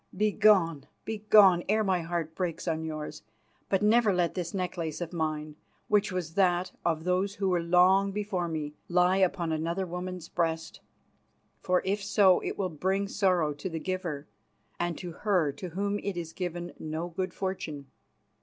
Begone, begone, ere my heart breaks on yours; but never let this necklace of mine, which was that of those who were long before me, lie upon another woman's breast, for if so it will bring sorrow to the giver, and to her to whom it is given no good fortune."